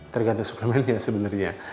tergantung suplemen ya sebenernya